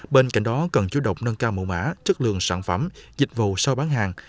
bên cạnh đó cần chú động nâng cao mẫu mã chất lượng sản phẩm dịch vụ sau bán hàng